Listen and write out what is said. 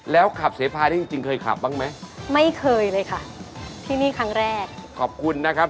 แล้วขับเสพายที่จริงเคยขับบ้างไหม